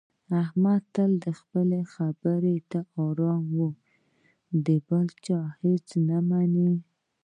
احمد تل خپلې خبرې ته اړم وي، د بل چا هېڅ نه مني.